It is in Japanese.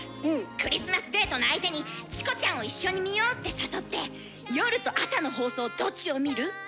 クリスマスデートの相手に「チコちゃんを一緒に見よう」って誘って「夜と朝の放送どっちを見る？」と聞いて下さい。